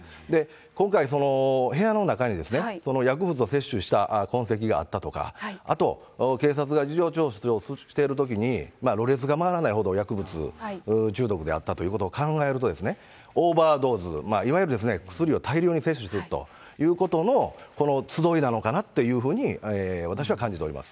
今回、部屋の中に薬物を摂取した痕跡があったとか、あと、警察が事情聴取をしているときに、ろれつが回らないほど薬物中毒であったということを考えると、オーバードーズ、いわゆる薬を大量に摂取するということのこの集いなのかなっていうふうに、私は感じております。